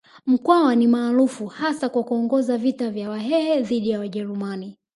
Mkwawa ni maarufu hasa kwa kuongoza vita vya Wahehe dhidi ya Wajerumani